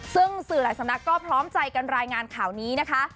ซึ่งสื่อหลายสำนักก็พร้อมใจกันรายงานข่าวนี้นะคะ